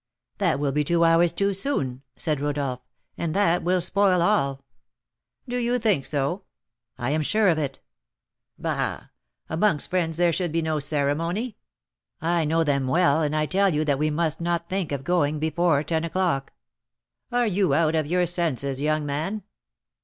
"That will be two hours too soon," said Rodolph; "and that will spoil all." "Do you think so?" "I am sure of it." "Bah! amongst friends there should be no ceremony." "I know them well, and I tell you that we must not think of going before ten o'clock." "Are you out of your senses, young man?"